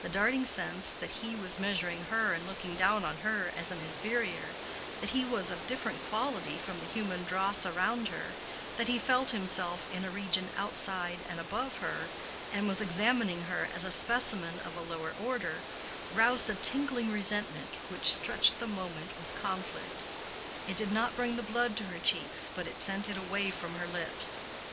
The darting sense that he was measuring her and looking down on her as an inferior, that he was of different quality from the human dross around her, that he felt himself in a region outside and above her, and was examining her as a specimen of a lower order, roused a tingling resentment which stretched the moment with conflict. It did not bring the blood to her cheeks, but it sent it away from her lips.